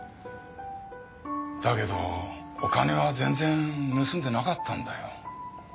だけどお金は全然盗んでなかったんだよ。